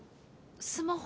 スマホ